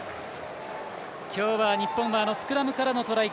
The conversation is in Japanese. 今日は日本はスクラムからのトライ。